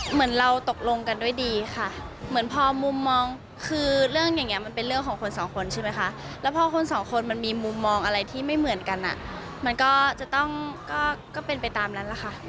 เหมือนเราตกลงกันด้วยดีค่ะเหมือนพอมุมมองคือเรื่องอย่างนี้มันเป็นเรื่องของคนสองคนใช่ไหมคะแล้วพอคนสองคนมันมีมุมมองอะไรที่ไม่เหมือนกันอ่ะมันก็จะต้องก็เป็นไปตามนั้นแหละค่ะ